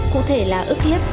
cụ thể là ức hiếp